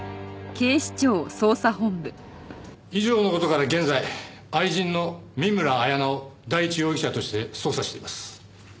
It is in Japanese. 以上の事から現在愛人の見村彩那を第一容疑者として捜査しています。